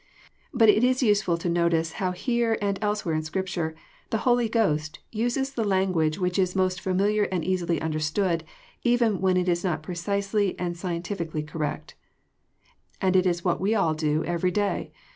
But it is useful to notice how here and elsewhere in Scripture the Holy Ghost uses the lan guage which is most familiar and easily understood, even when it is not precisely and scientifically correct. And it is what we all do every day.